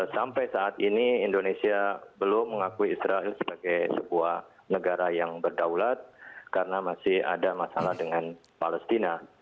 sampai saat ini indonesia belum mengakui israel sebagai sebuah negara yang berdaulat karena masih ada masalah dengan palestina